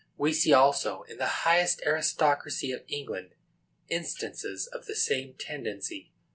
We see, also, in the highest aristocracy of England, instances of the same tendency.